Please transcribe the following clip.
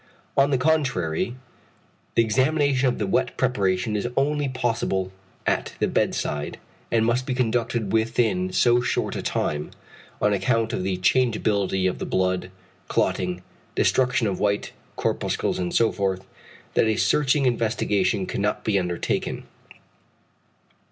On the contrary, the examination of the wet preparation is only possible at the bedside, and must be conducted within so short a time, on account of the changeability of the blood, clotting, destruction of white corpuscles and so forth, that a searching investigation cannot be undertaken.